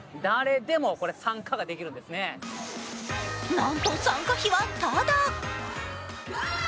なんと参加費はただ。